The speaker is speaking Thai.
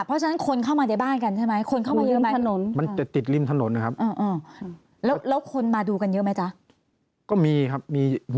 เพราะฉะนั้นคนเข้ามาในบ้านกันใช่ไหม